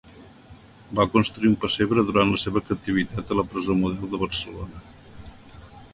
Va construir un pessebre durant la seva captivitat a la presó Model de Barcelona.